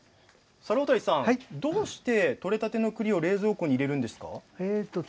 どうして取れたての栗を冷蔵庫に入れるんですか？